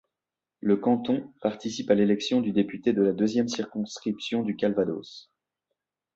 Le canton participe à l'élection du député de la deuxième circonscription du Calvados.